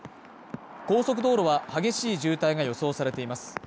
高速道路は、激しい渋滞が予想されています。